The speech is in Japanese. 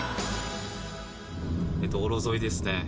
道路沿いですね。